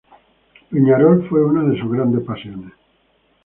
Peñarol fue una de sus grandes pasiones.